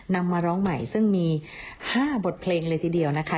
นำมาร้องใหม่ซึ่งมี๕บทเพลงเลยทีเดียวนะคะ